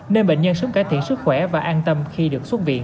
nên bệnh nhân sớm cải thiện sức khỏe và an tâm khi được xuất viện